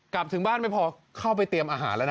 กลับถึงบ้านไม่พอเข้าไปเตรียมอาหารแล้วนะ